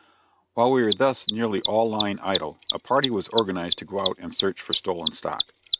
While we were thus nearly all lying idle, a party was organized to go out and search for stolen stock.